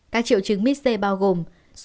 các triệu chứng mis c bao gồm